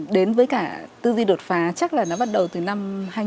đến với cả tư duy đột phá chắc là nó bắt đầu từ năm hai nghìn chín